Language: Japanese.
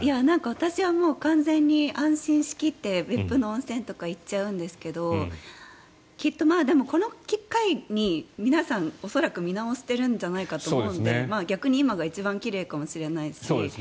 私は完全に安心しきって別府の温泉とか行っちゃうんですけどきっと、これを機会に皆さん、恐らく見直してるんじゃないかと思うので逆に今が一番奇麗かもしれないし。